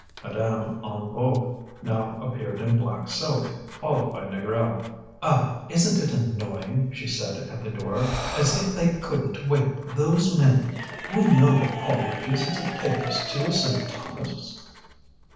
Madame Hennebeau now appeared in black silk, followed by Négrel. "Ah! isn't it annoying!" she said, at the door. "As if they couldn't wait, those men! You know that Paul refuses to take us to Saint Thomas."